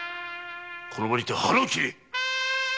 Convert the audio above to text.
この場にて腹を切れ！